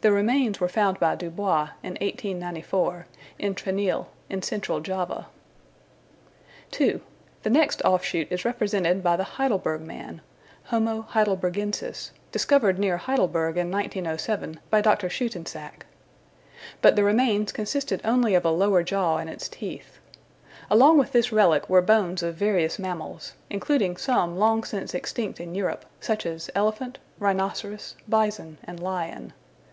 The remains were found by Dubois, in 1894, in Trinil in Central Java. 2. The next offshoot is represented by the Heidelberg man (Homo heidelbergensis), discovered near Heidelberg in 1907 by Dr. Schoetensack. But the remains consisted only of a lower jaw and its teeth. Along with this relic were bones of various mammals, including some long since extinct in Europe, such as elephant, rhinoceros, bison, and lion.